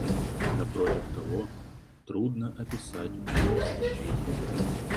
Напротив того, трудно описать мое восхищение.